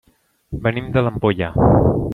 Venim de l'Ampolla.